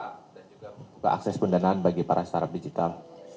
dan juga membuka akses pendanaan bagi para startup digital